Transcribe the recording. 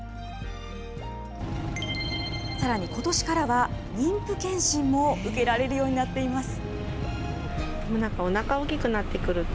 さらにことしからは妊婦検診も受けられるようになっています。